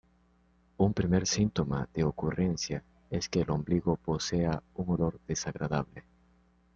Un primer síntoma de ocurrencia es que el ombligo posea un olor desagradable.